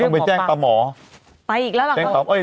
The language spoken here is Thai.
เราก็ไปแจ้งปะหมอแจ้งหมอปลา